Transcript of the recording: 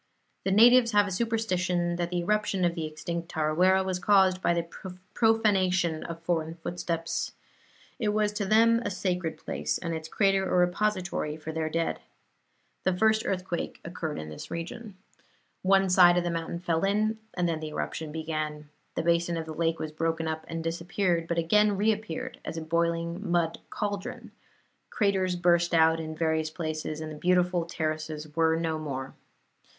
The natives have a superstition that the eruption of the extinct Tarawera was caused by the profanation of foreign footsteps. It was to them a sacred place, and its crater a repository for their dead. The first earthquake occurred in this region. One side of the mountain fell in, and then the eruption began. The basin of the lake was broken up and disappeared, but again reappeared as a boiling mud cauldron; craters burst out in various places, and the beautiful terraces were no more.